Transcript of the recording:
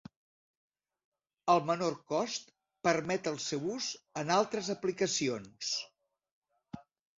El menor cost permet el seu ús en altres aplicacions.